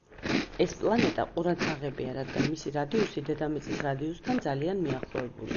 ეს პლანეტა ყურადსაღებია, რადგან მისი რადიუსი დედამიწის რადიუსთან ძალიან მიახლოებულია.